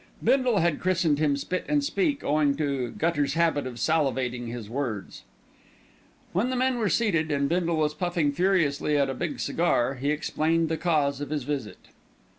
Bindle had christened him Spit and Speak owing to Gugger's habit of salivating his words. When the men were seated, and Bindle was puffing furiously at a big cigar, he explained the cause of his visit.